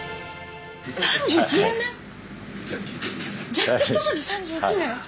ジャッキひと筋３１年？